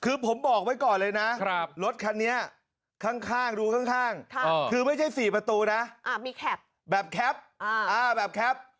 คือผมบอกไว้ก่อนด้วยนะครับรถคันนี้ข้างข้างดูข้างข้างที่ไม้ใช่สี่ประตูด้าอำนาจมีแคปแบบแคป